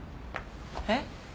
えっ？